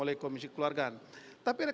oleh komisi keluargaan tapi ada